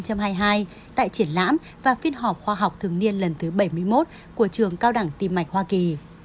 tại triển lãm và phiên họp khoa học thường niên lần thứ bảy mươi một của trường cao đẳng tim mạch hoa kỳ